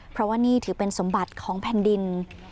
เพราะว่านี่ถือเป็นสมบัติของแผ่นดิน